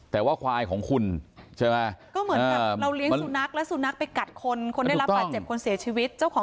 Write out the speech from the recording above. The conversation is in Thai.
แต่ว่าควายของคุณใช่ไหมฮะ